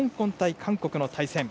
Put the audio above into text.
韓国の対戦。